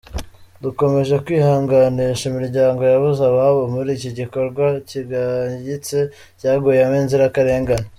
Dukomeje kwihanganisha imiryango yabuze ababo muri iki gikorwa kigayitse cyaguyemo inzirakarengane.